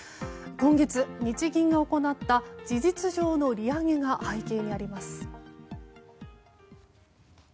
今月、日銀が行った事実上の利上げが背景にあります。